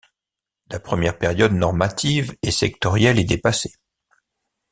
La première période normative et sectorielle est dépassée.